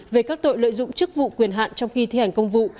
về các tội lợi dụng chức vụ quyền hạn trong khi thi hành công vụ